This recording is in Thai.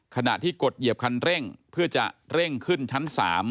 ขณะที่กดเหยียบคันเร่งเพื่อจะเร่งขึ้นชั้น๓